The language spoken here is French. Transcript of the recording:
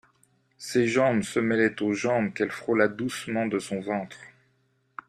Ses jambes se mêlaient aux jambes qu'elle frôla doucement de son ventre.